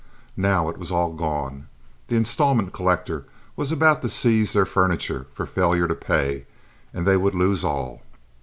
Now it was all gone; the installment collector was about to seize their furniture for failure to pay, and they would lose all.